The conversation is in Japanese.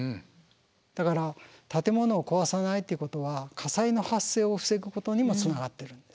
だから建物を壊さないってことは火災の発生を防ぐことにもつながってるんです。